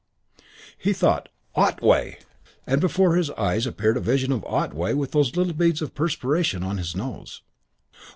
He thought, "Otway!" and before his eyes appeared a vision of Otway with those little beads of perspiration on his nose.